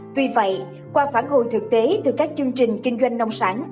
tuy vậy qua phản hồi thực tế từ các chương trình kinh doanh nông sản